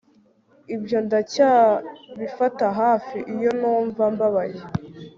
ibyo ndacyabifata hafi iyo numva mbabaye